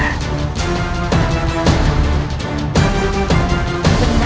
terima kasih bunda